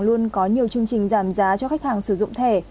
luôn có nhiều chương trình giảm giá cho khách hàng sử dụng thẻ